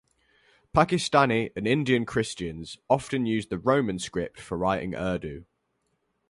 Pakistani and Indian Christians often used the Roman script for writing Urdu.